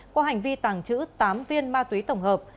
có hành vi tàng trữ tám viên ma túy tổng hợp